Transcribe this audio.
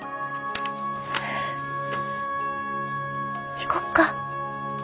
行こっか。